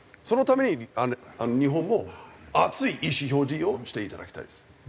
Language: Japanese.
そのために日本も熱い意思表示をしていただきたいです。